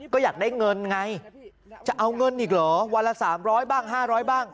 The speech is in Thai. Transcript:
ก็อยากได้เงินไงจะเอาเงินอีกเหรอวันละ๓๐๐บ้าง๕๐๐บ้าง